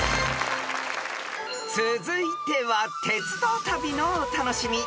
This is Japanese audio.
［続いては鉄道旅のお楽しみ］